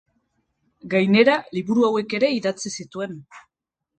Gainera liburu hauek ere idatzi zituen.